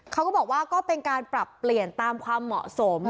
เขาก็บอกว่าก็เป็นการปรับเปลี่ยนตามความเหมาะสม